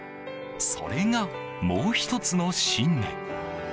それが、もう１つの信念。